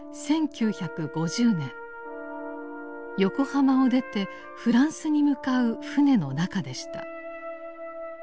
横浜を出てフランスに向かう船の中でした。